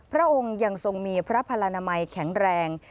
พระองค์ยังทรงมีพระพลนามัยแข็งแรง